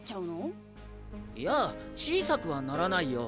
いや小さくはならないよ。